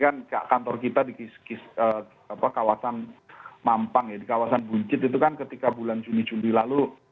kan kantor kita di kawasan mampang ya di kawasan buncit itu kan ketika bulan juni juli lalu